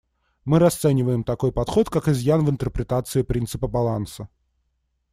Мы расцениваем такой подход как изъян в интерпретации принципа баланса.